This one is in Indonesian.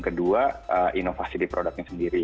kedua inovasi di produknya sendiri